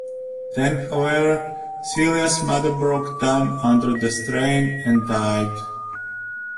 Then, however, Celia's mother broke down under the strain and died.